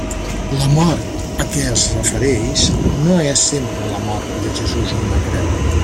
La mort a què es refereix no és sempre la mort de Jesús en la creu.